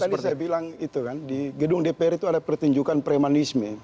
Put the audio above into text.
tadi saya bilang itu kan di gedung dpr itu ada pertunjukan premanisme